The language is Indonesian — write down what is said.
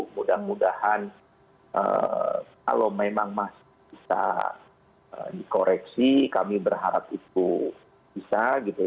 mudah mudahan kalau memang masih bisa dikoreksi kami berharap itu bisa gitu